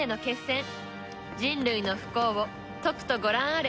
人類の不幸をとくとご覧あれ。